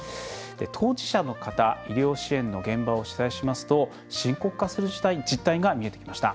当事者の方、医療支援の現場を取材しますと深刻化する実態が見えてきました。